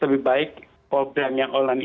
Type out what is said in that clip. lebih baik program yang online